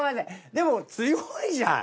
でも強いじゃん！